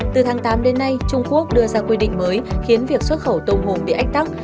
từ tháng tám đến nay trung quốc đưa ra quy định mới khiến việc xuất khẩu tôm hùm bị ách tắc